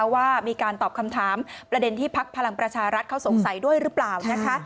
ว่ามีการตอบคำถามประเด็นที่ภักร์ภารังประชารัฐเขาสงสัยด้วยรึเปล่า